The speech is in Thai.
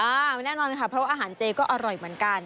ไม่แน่นอนค่ะเพราะว่าอาหารเจก็อร่อยเหมือนกัน